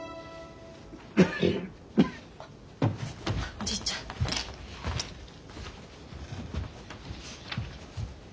おじいちゃんはい。